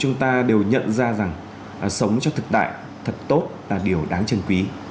chúng ta đều nhận ra rằng sống cho thực tại thật tốt là điều đáng chân quý